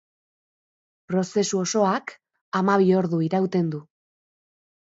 Prozesu osoak hamabi ordu irauten du.